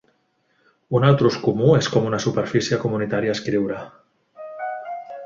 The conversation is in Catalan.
Un altre ús comú és com una superfície comunitària a escriure.